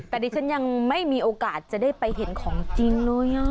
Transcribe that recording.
แต่ดิฉันยังไม่มีโอกาสจะได้ไปเห็นของจริงเลย